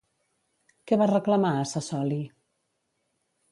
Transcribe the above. Què va reclamar a Sassoli?